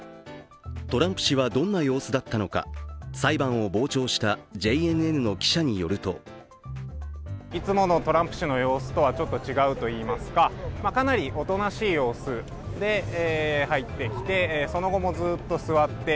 トランプ氏はどんな様子だったのか裁判を傍聴したＪＮＮの記者によるといつものトランプ氏の様子とはちょっと違うといいますかかなりおとなしい様子で入ってきて、その後もずっと座って。